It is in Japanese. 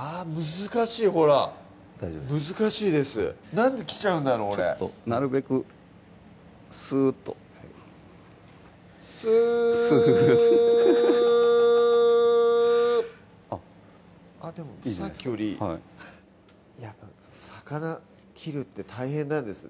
難しいほら難しいですなんできちゃうんだろう俺なるべくスーッとスーでもさっきよりいいはいやっぱ魚切るって大変なんですね